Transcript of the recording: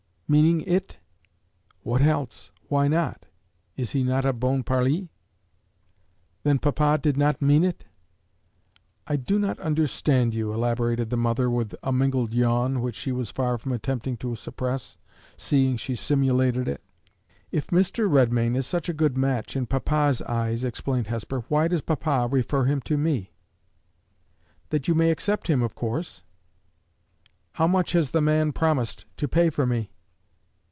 "Meaning it?" "What else? Why not? Is he not a bon parli?" "Then papa did not mean it?" "I do not understand you," elaborated the mother, with a mingled yawn, which she was far from attempting to suppress, seeing she simulated it. "If Mr. Redmain is such a good match in papa's eyes," explained Hesper, "why does papa refer him to me?" "That you may accept him, of course." "How much has the man promised to pay for me?"